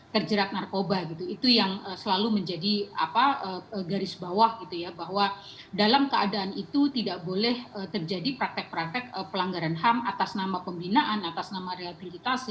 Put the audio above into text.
mereka bisa mengakses dan mereka membutuhkan